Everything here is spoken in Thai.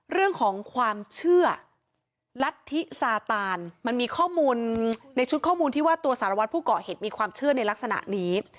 เรื่องของความเชื่อลัทธิซาตานมันมีข้อมูลในชุดข้อมูลที่ว่าตัวสารวัตรผู้เกาะเหตุมีความเชื่อในลักษณะนี้